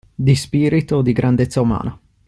Di spirito, di grandezza umana.